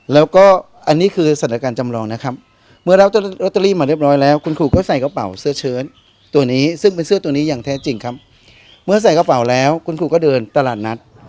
แล้วก็อันนี้คือสถานการณ์จำลองนะครับเมื่อรับลอตเตอรี่มาเรียบร้อยแล้วคุณครูก็ใส่กระเป๋าเสื้อเชิญตัวนี้ซึ่งเป็นเสื้อตัวนี้อย่างแท้จริงครับเมื่อใส่กระเป๋าแล้วคุณครูก็เดินตลาดนัด